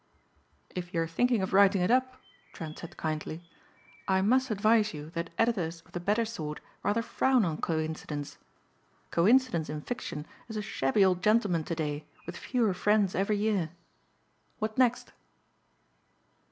"If you are thinking of writing it up," Trent said kindly, "I must advise you that editors of the better sort rather frown on coincidence. Coincidence in fiction is a shabby old gentleman to day with fewer friends every year. What next?"